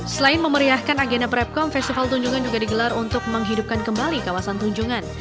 selain memeriahkan agenda prepkom festival tunjungan juga digelar untuk menghidupkan kembali kawasan tunjungan